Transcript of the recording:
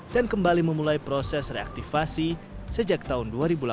dan kembali memulai proses reaktifasi sejak tahun dua ribu delapan belas